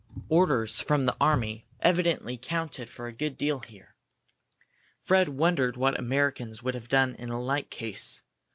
Orders from the army evidently counted for a good deal here. Fred wondered what Americans would have done in a like case.